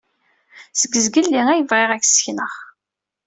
Seg zik ay bɣiɣ ad k-ssneɣ.